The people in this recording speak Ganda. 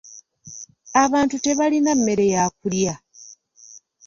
Abantu tebalina mmere ya kulya.